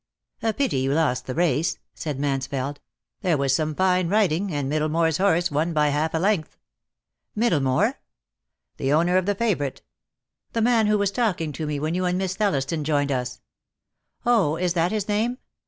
"A pity you lost the race," said Mansfeld. "There was some fine riding, and Middlemore's horse won by half a length. "Middlemore?" "The owner of the favourite. The man who was talking to me when you and Miss Thellistoa joined us." "Oh, is that his name?